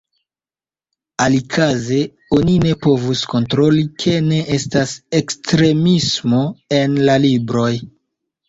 Alikaze oni ne povus kontroli, ke ne estas ekstremismo en la libroj.